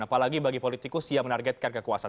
apalagi bagi politikus yang menargetkan kekuasaan